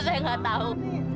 saya gak tahu